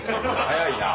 早いな！